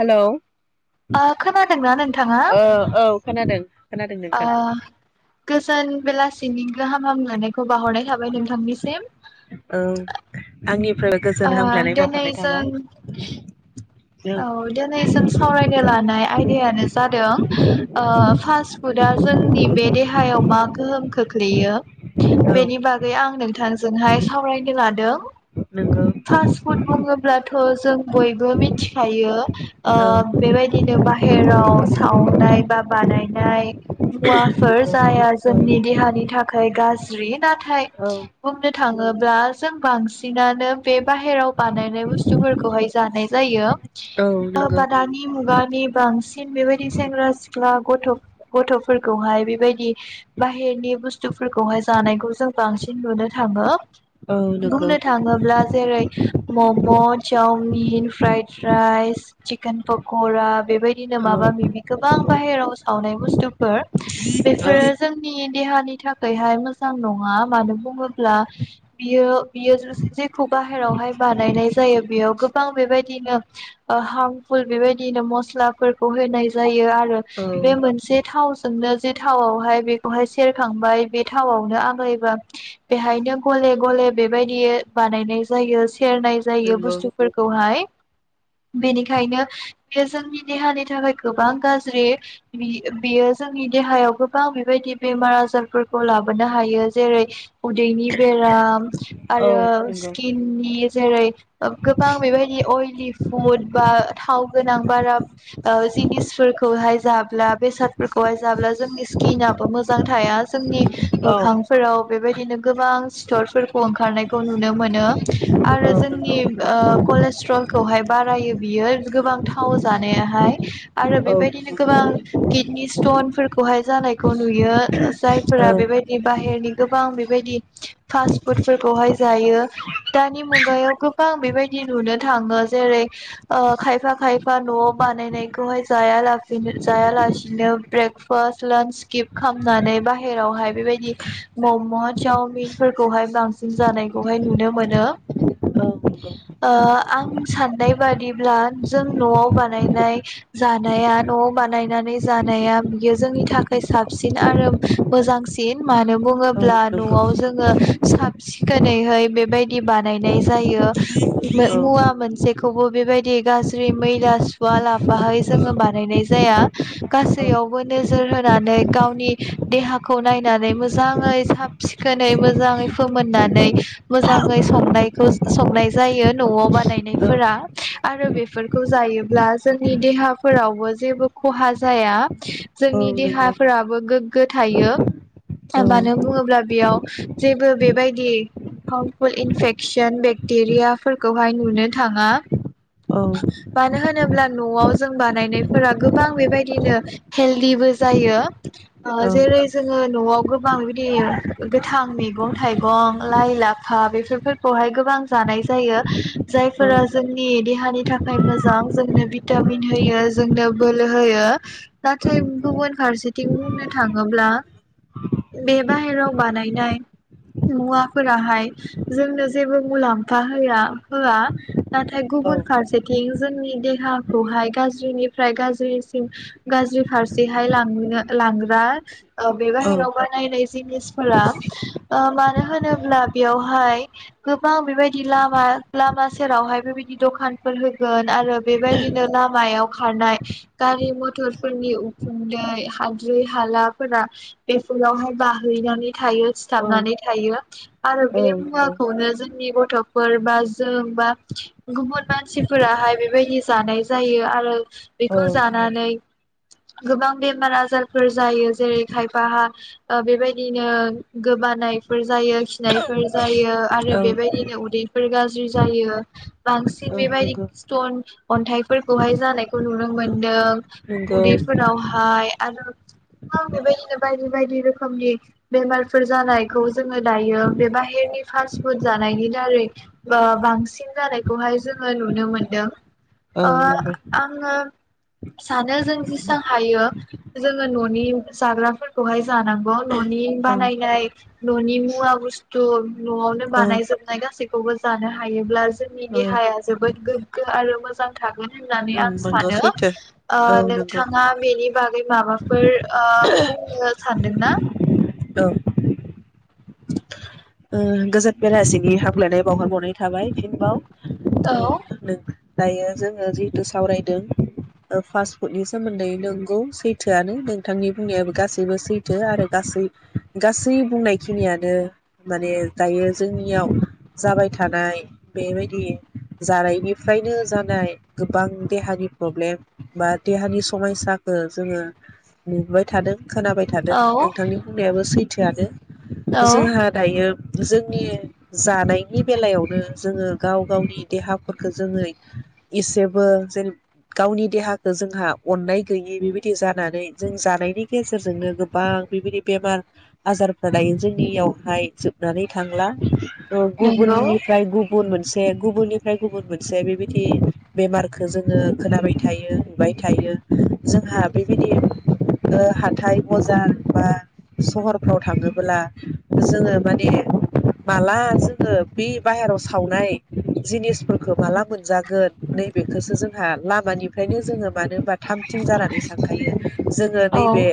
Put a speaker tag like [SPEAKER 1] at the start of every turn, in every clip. [SPEAKER 1] Hello
[SPEAKER 2] ओ खोनादोंना
[SPEAKER 1] औ खोनादों खोनादों
[SPEAKER 2] आ
[SPEAKER 1] नोंथां
[SPEAKER 2] गोजोन बेलासि तिनिखो हामाम लायनायखौ बावहरनाय थाबाय नोंथांनिसिम
[SPEAKER 1] ओमफ्राय गोजोन
[SPEAKER 2] ओ
[SPEAKER 1] हामग्लायनाय
[SPEAKER 2] दिनै
[SPEAKER 1] बावहरनाय
[SPEAKER 2] जों
[SPEAKER 1] थाबाय।
[SPEAKER 2] औ दिनै जों सावरायनो लानाय आयदायानो जादों ओ फास्ट फुदआ जोंनि बे देहायाव मा गोहोम खोख्लैयो
[SPEAKER 1] औ
[SPEAKER 2] बेनि बागै आं नोंथांजोंहाय सावरायनो लादों।
[SPEAKER 1] नंगौ
[SPEAKER 2] फास्ट फुड बुङोब्लाथ' जों बयबो मिनथिखायो ओ
[SPEAKER 1] औ
[SPEAKER 2] बेबायदिनो बाहेराव साव नाय बा बानायनाय मुवाफोर
[SPEAKER 1] नंगौ
[SPEAKER 2] जाया
[SPEAKER 1] औ
[SPEAKER 2] जोंनि देहा देहानि थाखाय गाज्रि नाथाय
[SPEAKER 1] औ
[SPEAKER 2] बुंनो थाङोब्ला जों बांसिनानो बे बाहेराव बानायनाय बुस्थुफोरखौहाय जानाय जायो
[SPEAKER 1] औ
[SPEAKER 2] बा
[SPEAKER 1] नंगौ
[SPEAKER 2] दानि मुगानि बांसिन बेबायदि सेंग्रा सिख्ला गथ' गथ'फोरखौहाय बेबायदि बाहेरनि बुस्थुफोरखौहाय जानायखौ जों बांसिन नुनो थाङो।
[SPEAKER 1] औ नंगौ
[SPEAKER 2] बुंनो थाङोब्ला जेरै म म' chowmein fried rice chicken pakora बेबायदिनो
[SPEAKER 1] औ
[SPEAKER 2] माबा माबि गोबां बाहेराव सावनाय बुस्थुफोर
[SPEAKER 1] औ
[SPEAKER 2] बेफोरो जोंनि देहानि थाखायहाय मोजां नङा मानो बुङोब्ला बियो बियो खौ बाहेरायावहाय बानायनाय जायो बेयाव गोबां बेबायदिनो हार्मफुल बेबायदिनो मस्लाफोरखौ होनाय जायो आरो
[SPEAKER 1] औ
[SPEAKER 2] बे मोनसे थावजोंनो जे थावआवहाय बेखौहाय सेरखांबाय बे थावआवनो आग्लायबा बेवहायनो गले गले बेबायदि बानायनाय जायो। सेरनाय जायो
[SPEAKER 1] नंगौ औ नंगौ
[SPEAKER 2] बुस्थुफोरखौहाय बेनिखायनो बेयो जोंनि देहानि थाखाय गोबां गाज्रि बेयो जोंनि देहायाव गोबां बेबायदि बेमार आजारफोरखौ लाबोनो हायो जेरै उदैनि बेराम,
[SPEAKER 1] औ
[SPEAKER 2] आरो
[SPEAKER 1] नंगौ
[SPEAKER 2] स्किननि जेरै गोबां बेबायदि अइलि फुद बा थाव गोनां बारा जिनिसफोरखौहाय जाब्ला बेसादफोरखौहाय जाब्ला जोंनि स्किनाबो मोजां थाया जोंनि,
[SPEAKER 1] औ
[SPEAKER 2] मोखांफोराव बेबायदिनो, गोबां सिथरफोरखौ ओंखारनायखौ नु नुनो मोनो आरो जोंनि
[SPEAKER 1] नंगौ
[SPEAKER 2] ओ कलेस्ट्रलखौहाय बारायो बियो गोबां थाव जानायाहाय, आरो
[SPEAKER 1] औ
[SPEAKER 2] बेबायदिनो गोबां, किडनि स्टन फोरफोरखौहाय जानायखौ नुयो
[SPEAKER 1] औ
[SPEAKER 2] जायफोरा बेबायदि बाहेरनि गोबां बेबायदि फास्ट फुद फोरखौहाय, जायो दानि मुगायाव गोबां बेबायदि नुनो थाङो जेरै खायफा खायफा न'आव बानायनायखौहाय जायालासिनो ब्रेकफास लान्च स्किप खालामनानै बाहेरावहाय बेबायदि मम' चावमिन फोरखौहाय बांसिन जानाय नुनो मोनो
[SPEAKER 1] नंगौ
[SPEAKER 2] ओ साननाय बादिब्ला जों न'आव बानायनाय जानाया न'आव बानायनानै जानाया बियो जोंनि थाखाय साबसिन आरो मोजांसिन मानो
[SPEAKER 1] औ
[SPEAKER 2] बुङोब्ला
[SPEAKER 1] नंगौ
[SPEAKER 2] न'आव जोङो साबसिन दिनैहाय बेबायदि बानायनाय जायो।
[SPEAKER 1] औ औ नंगौ
[SPEAKER 2] मुवा
[SPEAKER 1] औ
[SPEAKER 2] मोनसे, खौबो बेबायदि गाज्रि मैला सुवा लाफाहाय जोङो बानायनाय जाया
[SPEAKER 1] औ
[SPEAKER 2] गासैयावबो नोजोर होनानै गावनि देहाखौ नायनानै मोजाङै साब सिखोनै मोजाङै फोमोननानै नै मोजाङै संनाय जायो न'आव
[SPEAKER 1] औ
[SPEAKER 2] बानायनायफोरा आरो बेफोरखौ जायोब्ला जोंनि देहाफोरावबो जेबो खहा जाया जोंनि
[SPEAKER 1] नंगौ
[SPEAKER 2] देहाफोराबो गोग्गो थायो
[SPEAKER 1] औ
[SPEAKER 2] मानो होनना बुङोब्ला बेयाव जेबो बेबायदि हार्मफुल इनफेक्सन बेक्टेरियाफोरखौहाय नुनो थाङा।
[SPEAKER 1] औ
[SPEAKER 2] मानो होनोब्ला न'आव जों बानायनायफोरा गोबां बेबायदिनो हेलडिबो जायो। ओ जेरै जोङो न'आव गोबां बिदि गोथां मैगं थाइगं लाइ लाफा बेफोरखौहाय गोबां जानाय जायो जायफोरा जोंनि देहानि नि थाखाय मोजां जोंनो भिटामिन होयो जोंनो बोलो होयो नाथाय गुबुन फारसेथिं बुंनो थाङोब्ला बे बाहेरायाव बानायनाय मुवाफोराहाय जोंनो जेबो मुलाम्फा होया होआ नाथाय गुबुन फारसेथिं जोंनि देहाखौहाय गाज्रिनिफ्राय गाज्रिसिन गाज्रि फारसेहाय लांनो लांग्रा ओ बे
[SPEAKER 1] औ
[SPEAKER 2] बाहेराव बानायनाय, जिनिसफोरा ओ मानो होनोब्ला बेयावहाय गोबां बेबायदि लामा लामा सेरावहाय बेबायदि द'खान फोर होगोन आरो बेबायदिनो लामायाव खारनाय गारि मथ'रफोरनि उखुन्दै हाद्रि हालाफोरा बेफोरावहाय बाहैनानै थायो
[SPEAKER 1] औ
[SPEAKER 2] सिथाबनानै थायो। आरो
[SPEAKER 1] औ
[SPEAKER 2] बे
[SPEAKER 1] नंगौ
[SPEAKER 2] मुवाखौनो जों नि गथ'फोर बा जों बा गुबुन मानसिफोराहाय बेबायदि जानाय जायो आरो
[SPEAKER 1] औ
[SPEAKER 2] बेखौ जानानै गोबां बेमार आजारफोर जायो जेरै खायफाहा बेबायदिनो गोबानायफोर जायो खिनायफोर जायो। आरो
[SPEAKER 1] औ
[SPEAKER 2] बेबायदिनो उदैफोर गास जि जायो बां थिग
[SPEAKER 1] औ
[SPEAKER 2] बेबायदि
[SPEAKER 1] नंगौ
[SPEAKER 2] स्टन अन्थाइ फोरखौहाय जानायखौ नुनो मोनदों।
[SPEAKER 1] नंगौ
[SPEAKER 2] उदैफोरावहाय आरो बेबायदिनो बायदि बायदि रोखोमनि बेमारफोर जानायखौ जोङो दायो बे बाहेरनि फास्ट फुड जानायनि दारै ओ बांसिन जानायखौहाय जोङो नुनो मोनदों।
[SPEAKER 1] औ
[SPEAKER 2] ओ
[SPEAKER 1] नंगौ
[SPEAKER 2] आङो सानो जों जेसेबां हायो जोङो न'नि जाग्राफोरखौहाय जानांगौ न'नि
[SPEAKER 1] औ
[SPEAKER 2] बानायनाय न'नि मुवा बे औ न'आवनो
[SPEAKER 1] औ
[SPEAKER 2] बानायजोबनाय गाससिबो खौबो जानो हायोब्ला जोंनि देहाया जोबोद गोग्गो आरो मोजां थागोन। होननानै
[SPEAKER 1] उम
[SPEAKER 2] आं
[SPEAKER 1] नंगौ
[SPEAKER 2] सानो
[SPEAKER 1] सैथो
[SPEAKER 2] ओ
[SPEAKER 1] औ नंगौ
[SPEAKER 2] नोंथाङा बेनि बागै माबाफोर ओ बुंनो सानदोंना?
[SPEAKER 1] औ ओ गोजोन बेलासिनि हाब्लायनाय बावहरबावनाय थाबाय फिनबाव।
[SPEAKER 2] औ।
[SPEAKER 1] ओ नों दायो जोङो जिहेतु सावरायदों ओ फास्ट फुडनि सोमोन्दै नोंगौ सैथोआनो नोंथांनि बुंनायाबो गासैबो सैथो आरो गासै गासै बुंनायखिनियानो माने दायो जोंनियाव जाबाय थानाय बेबायदि जानायनिफ्रायनो जानाय गोबां देहानि प्रब्लेम बा देहानि समस्याखौ जोङो नुबोबाय थादों। खोनाबाय थादों नोंथांनि बुंनायाबो सै थोयानो।
[SPEAKER 2] औ
[SPEAKER 1] जोंहा दायो जोंनि जानायनि बेलायावनो जोङो गाव गावनि देहाफोरखौ जोङो एसेबो जेन गावनि देहाखौ जोंहा अननाय गैयि बेबायदि जानानै जों जानायनि गेजेरजोंनो गोबां बेबायदि बेमार आजारफ्रा दायो जोंनियावहाय जोबनानै थांला। त'
[SPEAKER 2] नंगौ
[SPEAKER 1] गुबुननिफ्राय गुबुन मोनसे गुबुननिफ्राय गुबुन मोनसे बेबायदि बेमारखौ जोङो खोनाबाय थायो नुबाय थायो जोंहा बेबायदि ओ हाथाइ बजार बा सहरफ्राव थाङोब्ला जोङो माने माला जोङो बे बाहेरायाव सावनाय जिनिसफोरखौ माला मोनजागोन नैबेखौसो जोंहा लामानिफ्रायनो जोङो मानो होनबा थाम थिं जानानै थांखायो जोङो
[SPEAKER 2] औ
[SPEAKER 1] नैबे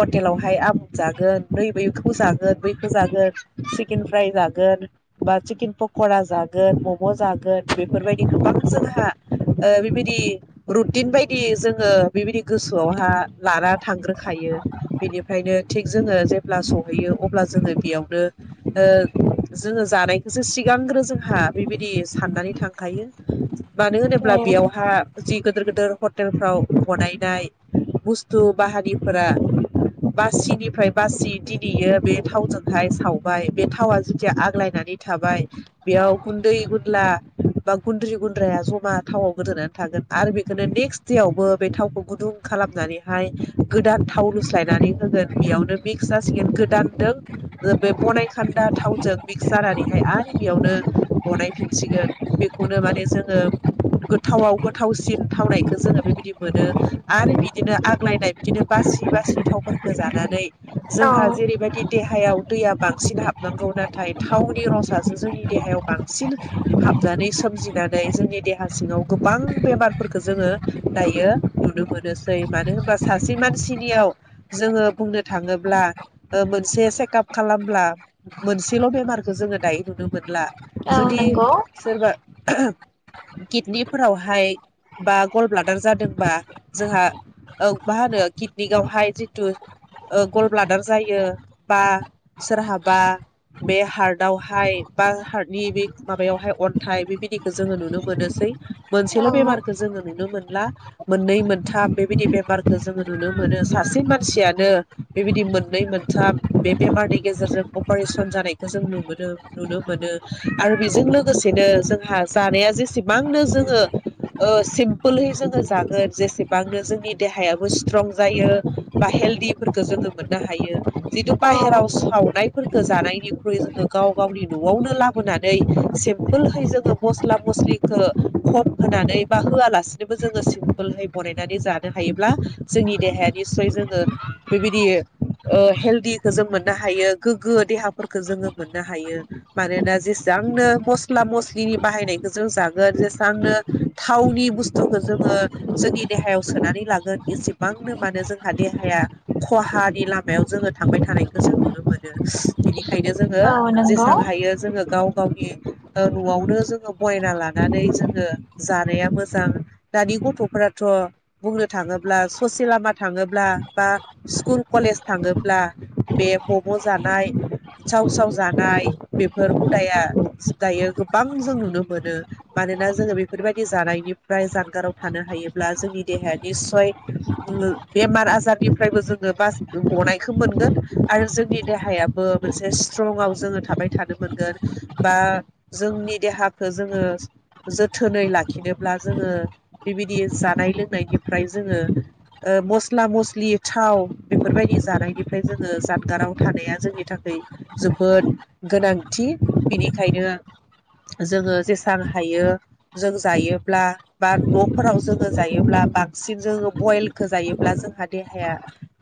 [SPEAKER 1] हटेलावहाय आबुं जागोन बै बैखौ जागोन बैखौ जागोन चिकेन फ्राय जागोन बा चिकेन पक'रा जागोन मम' जागोन बेफोरबायदि गोबां जोंहा ओ बेबायदि रुटिन बायदि जोङो बेबायदि गोसोआवहा लाना थांग्रोखायो बेनिफ्रायनो थिग जोङो जेब्ला सहैयो अब्ला जोङो बेयावनो ओ जोङो जानायखौसो सिगांग्रो जोंहा बेबायदि साननानै थांखायो। मानो होनोब्ला
[SPEAKER 2] औ
[SPEAKER 1] बेयावहा जि गोदोर गोदोर हटेलफ्राव बनायनाय बुस्थु बाहागिफोरा बासिनिफ्राय बासि दिनैयो बे थावजोंहाय साव बाय बे थावा जेथिया आग्लायनानै थाबाय बेयाव गुन्दै गुला बा गुन्द्रि गुन्द्राया जमा थावआव गोदोनानै थागोन आरो बेखौनो नेक्स्ट देवबो बे थावखौ गुदुं खालामनानैहाय गोदान थाव लुस्लायनानै होगोन बेयावनो मिक्स जासिगोन गोदानदों बे बनायखान्दा थावजों मिक्स जानानैहाय आरो बेयावनो बनायफिनसिगोन बेखौनो माने जोङो गोथावाव गोथावसिन थावनायखौ जोङो बेबायदि मोनो आरो बिदिनो आग्लायनाय बिदिनो बासि बासि थावफोरखौ जानानै जोंहा जेरैबायदि देहायाव दैया बांसिन हाबनांगौ नाथाय थावनि रसासो जोंनि देहायाव बांसिन हाबनानै सोमजिनानै जोंनि देहा सिङाव गोबां बेमारफोरखौ जोङो दायो नुनो मोनोसै मानो होनबा सासे मानसिनियाव जोङो बुंनो थाङोब्ला ओ मोनसे सेकाप खालामब्ला मोनसेल' बेमारखौ जोङो दायो नुनो मोनला
[SPEAKER 2] औ
[SPEAKER 1] जुदि
[SPEAKER 2] नंगौ
[SPEAKER 1] सोरबा किदनिफोरावहाय बा गल ब्लादार जादोंबा जोंहा औ मा होनो किदनिकआवहाय जितु ओ गल ब्लादार जायो बा सोरहाबा बे हार्ट आवहाय बा हार्टनि बे माबायावहाय अन्थाइ बेबायदिखौ जोङो नुनो मोनोसै।
[SPEAKER 2] औ
[SPEAKER 1] मोनसेल' बेमारखौ जोङो नुनो मोनला मोननै मोनथाम बेबायदि बेमारखौ जोङो नुनो मोनो सासे मानसियानो बेबायदि मोननै मोनथाम बे बेमारनि गेजेरजों अपारेसन जानायखौ जों नुबोदों नुनो मोनो आरो बेजों लोगोसेनो जोंहा जानाया जेसेबांनो जोङो ओ सिमपोलै जोङो जागोन जेसेबांनो जोंनि देहायाबो स्ट्रं जायो बा हेलदिफोरखौ जोङो मोननो हायो जितु
[SPEAKER 2] औ
[SPEAKER 1] बाहेराव सावनायफोरखौ जानायनिख्रुइ जोङो गाव गावनि न'आवनो लाबोनानै सिम्पोलहै जोङो मस्ला मस्लिखौ खम होनानै बा होआलासिनोबो जोङो सिमपोलहै बानायनानै जानो हायोब्ला जोंनि देहाया निसय जोङो बेबायदि ओ हेलदिखौ जों मो ननो हायो गोग्गो देहाफोरखौ जोङो मोननो हायो मानोना जेसांनो मस्ला मस्लिनि बाहायनायखौ जों जागोन जेसांनो थावनि बुस्थुखौ जोङो जोंनि देहायाव सोनानै लागोन एसेबांनो मान जोंहा देहाया खहानि लामायाव जोङो थांबाय थानाय खो जों नुनो मोनो। बेखायनो जोङो
[SPEAKER 2] औ नंगौ
[SPEAKER 1] जेसां हायो जोङो गाव गावनि ओ न'आवनो जोङो बयना लानानै जोङो जानाया मोजां दानि गथ'फोराथ' बुंनो थाङोब्ला ससे लामा थाङोब्ला बा स्कुल कलेज थाङोब्ला बे म'म' जानाय, साव साव जानाय बेफोर हुदाया दायो गोबां जों नुनो मोनो मानोना जोङो बेफोरबायदि जानायनिफ्राय जानगाराव थानो हायोब्ला जोंनि देहाया निसय उम बेमार आजारनिफ्रायबो जोङो बासि गनायखौ मोनगोन। आरो जोंनि देहायाबो मोनसे स्ट्रंआव जोङो थाबाय थानो मोनगोन बा जोंनि देहाखौ जोङो जोथोनै लाखिनोब्ला जोङो बेबायदि जानाय लोंनायनिफ्राय जोङो ओ मस्ला मस्लि थाव बेफोरबायदि जानायनिफ्राय जो ङो जानगाराव थानाया जोंनि थाखाय जोबोद गोनांथि बिनिखायनो जोङो जेसां हायो जों जायोब्ला बा न'फोराव जोङो जायोब्ला बांसिन जोङो बयेलखौ जायोब्ला जोंहा देहाया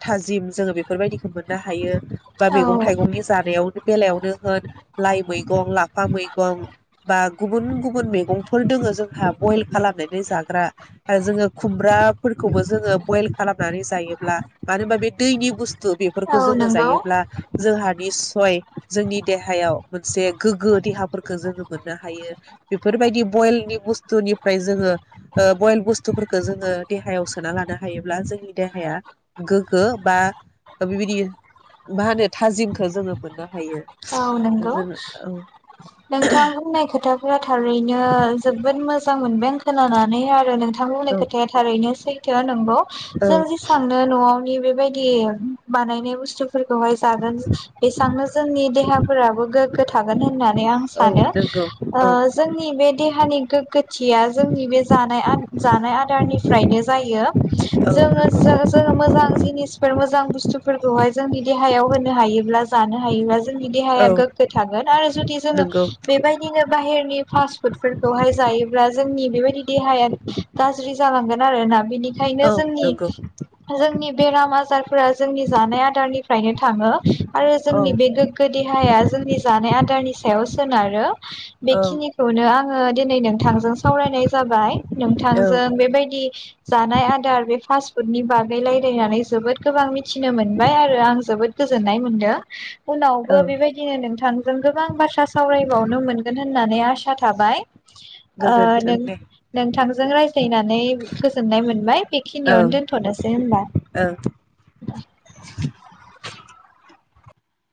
[SPEAKER 1] थाजिम जोङो बेफोरबायदिखौ मोन नो हायो। बा
[SPEAKER 2] औ
[SPEAKER 1] मैगं थाइगंनि जानायाव बेलायावनो होन लाइ मैगं, लाफा मैगं बा गुबुन गुबुन मेगंफोर दोङो जोंहा बइल खालामनानै जाग्रा आरो जोङो खुमब्राफोरखौबो जोङो बयेल खालामनानै जायोब्ला मानो होमबा बे दैनि बुस्थु बेफोर
[SPEAKER 2] औ
[SPEAKER 1] जोङो
[SPEAKER 2] नंगौ
[SPEAKER 1] जायोब्ला जोंहा। निस्सय जोंनि देहायाव मोनसे गोग्गो देहाफोरखौ जोङो मोननो हायो बेफोरबायदि बयलनि बुस्थुनिफ्राय जोङो बयल बुस्थुफोरखौ जोङो देहायाव सोना लानो हायोब्ला जोंनि देहाया गोग्गो बा बेबायदि। मा होनो थाजिमखौो जोङो मोननो हायो।
[SPEAKER 2] औ नंगौ
[SPEAKER 1] जोङो औ
[SPEAKER 2] नोंथां बुंनाय खोथाफोराथ। थारैनो जोबोद मोजां मोनबाय आं। खोनानानै आरो नोंथांमोननि
[SPEAKER 1] औ
[SPEAKER 2] खोथाया थारैनोसै। थो नोंगौ
[SPEAKER 1] औ
[SPEAKER 2] जों जि साननो नआवनि। बेबायदि बानायनाय बुस्थु। फोरखौ हाय जागोन बेसेबांनो जोंनि देहा। देहा फोराबो गोख्रों जागोन होनानै आं
[SPEAKER 1] औ
[SPEAKER 2] सानो
[SPEAKER 1] नंगौ
[SPEAKER 2] ओ
[SPEAKER 1] औ
[SPEAKER 2] जोंनि बे देहानि गोख्रोंथिया जोंनि बे आदा निफ्रायनो जायो
[SPEAKER 1] औ नंगौ
[SPEAKER 2] जोंनो मोजां जिनिस बुसथु। फोरखौहाय जोंनि। देहायाव होनो हायोब्ला जानो हायोब्ला। दे
[SPEAKER 1] औ
[SPEAKER 2] गोगो थोन आरो जुदि जो
[SPEAKER 1] नंगौ
[SPEAKER 2] बेबायदिनो बाहरनि। फास फुफोरखौहाय जायो जोंनि बेबायदि देह गाज्रि जालांगोन आरोना। बेनिखायनो
[SPEAKER 1] औ
[SPEAKER 2] जोंनि
[SPEAKER 1] नंगौ
[SPEAKER 2] जोंनि। बेराम आजार। फोरा जोंनि जानाय आदारनिफ्रायनो थाङो आरो
[SPEAKER 1] औ
[SPEAKER 2] जोंनि बे। देहाया जोंनि जानाय आदारनि सायाव। सोनारो।
[SPEAKER 1] औ
[SPEAKER 2] बेखिनिखौनो आङो दिनै नोंथांजों सावरायनाय जाबाय
[SPEAKER 1] औ
[SPEAKER 2] नोंथांजों बेबायदि जानाय आदार बे फास्ट। नि बागैलायलायनानै जोबोद गोबां मिथिनो मोनबाय आरो आं जोबोद गोजोननाय मोनदों।
[SPEAKER 1] औ
[SPEAKER 2] बो बेबायदिनो नोंथांजों गोबां बाथ्रा सावरायबावनो मोनगोन होननानै आ। आसा थाबाय। ओ
[SPEAKER 1] गोजोन्थों
[SPEAKER 2] नों
[SPEAKER 1] दे
[SPEAKER 2] नोंथांजों रायज्लायनानै गोजोननाय मोनबाय
[SPEAKER 1] औ
[SPEAKER 2] बेखिनियावनो दोनथनोसै होनबा।
[SPEAKER 1] औ